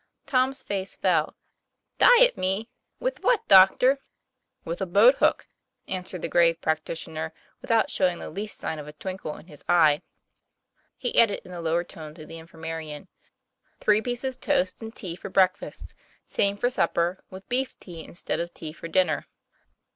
Tom's face fell. " Diet me! with what, doctor ?' "With a boat hook," answered the grave practi tioner without showing the least sign of a twinkle in his eye. He added in a lower tone to the infirma rian: " Three pieces toast and tea for breakfast, same for supper, with beef tea instead of tea for dinner."